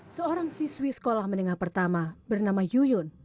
seorang siswi sekolah menengah pertama bernama yuyun